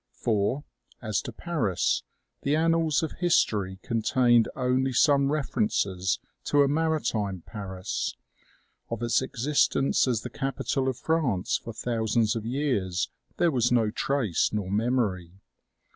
For, as to Paris, the annals of history contained only some references to a maritime Paris ; of its existence as the capital of France for thousands of years, there was no trace nor memory.